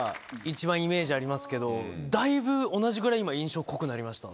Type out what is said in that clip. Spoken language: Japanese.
ありますけどだいぶ同じぐらい今印象濃くなりました